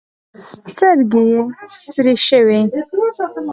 سترګې یې سرې شوې.